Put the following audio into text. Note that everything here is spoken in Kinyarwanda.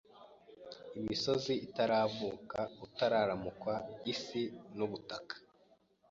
“Imisozi itaravuka, utararamukwa isi n’ubutaka,